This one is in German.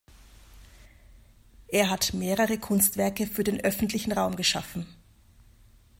Er hat mehrere Kunstwerke für den öffentlichen Raum geschaffen.